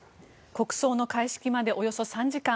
国葬の開式までおよそ３時間。